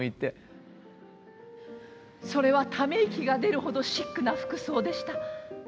それはため息が出るほどシックな服装でした。